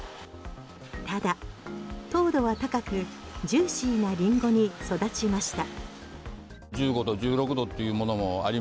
ただ糖度は高くジューシーなリンゴに育ちました。